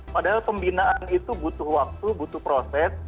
padahal pembinaan itu butuh waktu butuh proses